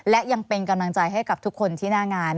และยังเป็นกำลังใจให้กับทุกคนที่หน้างาน